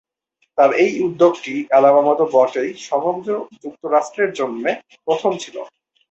তার এই উদ্যোগটি অ্যালাবামা তো বটেই, সমগ্র যুক্তরাষ্ট্রের জন্য প্রথম ছিল।